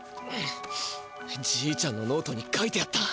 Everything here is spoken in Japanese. じいちゃんのノートに書いてあった。